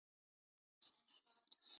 类似于西医的慢性化脓性鼻窦炎。